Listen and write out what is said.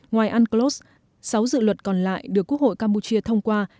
ngoài unclos sáu dự luật còn lại được quốc hội campuchia thông qua